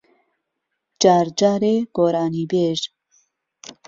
جار جارێ گۆرانیبێژ